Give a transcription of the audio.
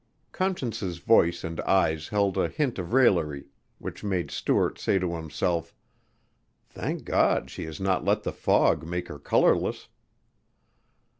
Conscience's voice and eyes held a hint of raillery which made Stuart say to himself: "Thank God she has not let the fog make her colorless."